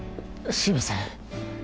すいません